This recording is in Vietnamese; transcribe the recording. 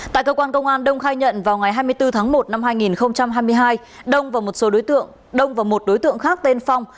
tại cơ quan công an đông khai nhận vào ngày hai mươi bốn tháng một năm hai nghìn hai mươi hai đông và một đối tượng khác tên phong